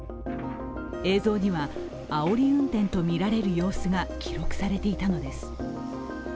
映像には、あおり運転とみられる様子が記録されていたのです。